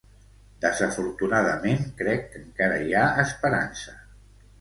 Desafortunadament crec que encara hi ha esperança.